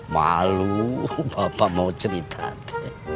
malu bapak mau cerita